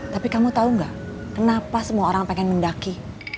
tapi kamu tau gak kenapa semua orang pengen mendaki